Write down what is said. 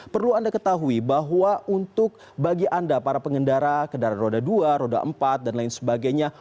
perlu anda ketahui bahwa untuk bagi anda para pengendara kendaraan roda dua roda empat dan lain sebagainya